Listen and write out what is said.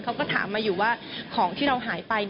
เขาก็ถามมาอยู่ว่าของที่เราหายไป